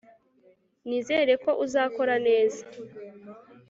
nizere ko uzakora neza